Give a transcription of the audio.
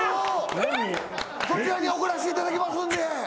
そちらに送らせていただきますんで。